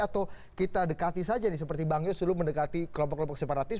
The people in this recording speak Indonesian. atau kita dekati saja nih seperti bang yos dulu mendekati kelompok kelompok separatis